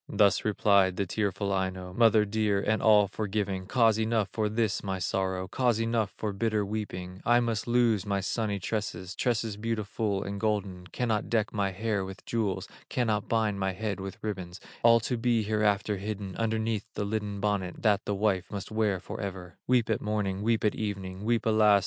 Thus replied the tearful Aino: "Mother dear, and all forgiving, Cause enough for this my sorrow, Cause enough for bitter weeping: I must loose my sunny tresses, Tresses beautiful and golden, Cannot deck my hair with jewels, Cannot bind my head with ribbons, All to be hereafter hidden Underneath the linen bonnet That the wife must wear forever; Weep at morning, weep at evening, Weep alas!